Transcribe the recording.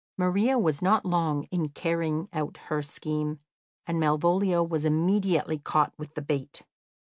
Maria was not long in carrying out her scheme, and Malvolio was immediately caught with the bait.